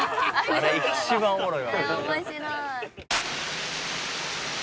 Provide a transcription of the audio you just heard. あれ一番おもろい。